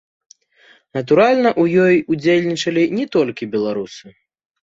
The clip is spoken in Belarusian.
Натуральна, у ёй удзельнічалі не толькі беларусы.